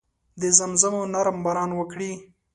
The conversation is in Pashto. د زمزمو نرم باران وکړي